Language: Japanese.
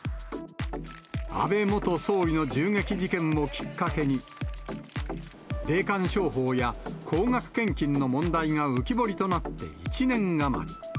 安倍元総理の銃撃事件をきっかけに、霊感商法や高額献金の問題が浮き彫りとなって１年余り。